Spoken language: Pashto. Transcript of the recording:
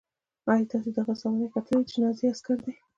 ایا تاسې د هغه سوانح کتلې دي چې نازي عسکر دی